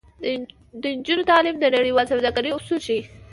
د نجونو تعلیم د نړیوال سوداګرۍ اصول ښيي.